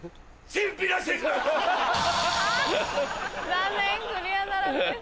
残念クリアならずです。